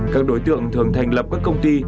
các đối tượng thường thành lập các công ty